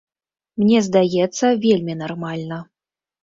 Мне здаецца, вельмі нармальна.